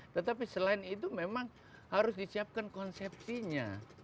tetapi selain itu memang harus disiapkan konsepsinya